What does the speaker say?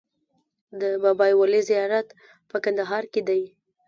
د بابای ولي زیارت په کندهار کې دی